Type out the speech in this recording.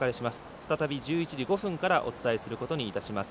再び１１時５分からお伝えすることにいたします。